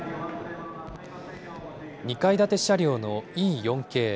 ２階建て車両のＥ４系。